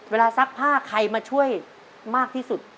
ซักผ้าใครมาช่วยมากที่สุด